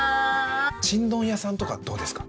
ちんどん屋さんとかどうですか？